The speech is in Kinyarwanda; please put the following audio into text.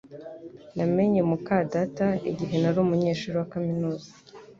Namenye muka data igihe nari umunyeshuri wa kaminuza